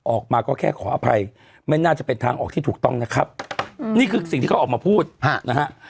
ออกมาก็แค่ขออภัยไม่น่าจะเป็นทางออกที่ถูกต้องนะครับนี่คือสิ่งที่เขาออกมาพูดนะฮะ